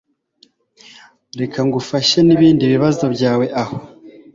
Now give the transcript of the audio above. Reka ngufashe nibindi bibazo byawe aho